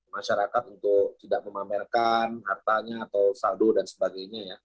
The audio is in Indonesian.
masyarakat untuk tidak memamerkan hartanya atau saldo dan sebagainya ya